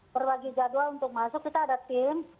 berbagi jadwal untuk masuk kita ada tim